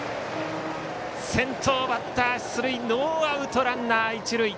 先頭バッター出塁ノーアウトランナー、一塁。